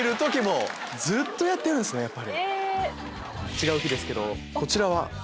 違う日ですけどこちらは？